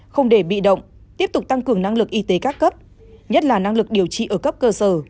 không để bị động tiếp tục tăng cường năng lực y tế các cấp nhất là năng lực điều trị ở cấp cơ sở